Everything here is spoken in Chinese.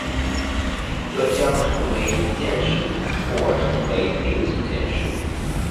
这将成为一件事，或成为另一件事。